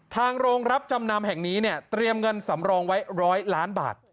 ทางโรงรับจำนำแห่งนี้เตรียมเงินสำรองไว้ร้อยล้านบาท